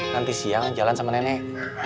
nanti siang jalan sama nenek